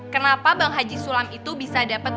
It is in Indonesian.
kenapa bang haji sulam itu bisa dapet